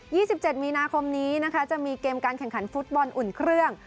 สิบเจ็ดมีนาคมนี้นะคะจะมีเกมการแข่งขันฟุตบอลอุ่นเครื่อง